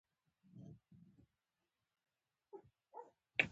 د کابل ښاروالۍ د برنامو او پروژو